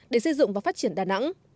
để sử dụng và phát triển đà nẵng